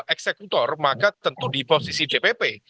eksekutor maka tentu di posisi dpp